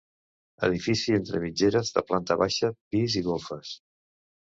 Edifici entre mitgeres de planta baixa, pis i golfes.